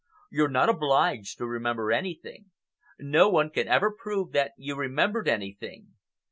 You're not obliged to remember anything. No one can ever prove that you remembered anything.